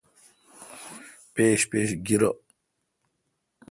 پِیش پیش گیرہ۔